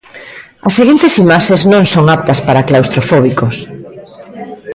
As seguintes imaxes non son aptas para claustrofóbicos.